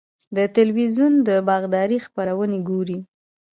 د تلویزیون د باغدارۍ خپرونې ګورئ؟